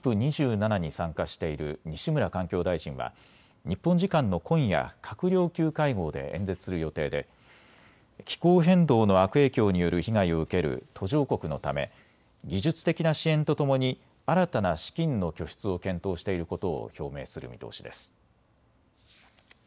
ＣＯＰ２７に参加している西村環境大臣は日本時間の今夜、閣僚級会合で演説する予定で気候変動の悪影響による被害を受ける途上国のため技術的な支援とともに新たな資金の拠出を検討していることを表明する見通しです。